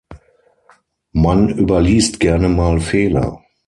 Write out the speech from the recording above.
Man überliest gerne mal Fehler.